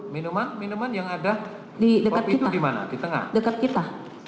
minuman minuman yang ada di dekat kita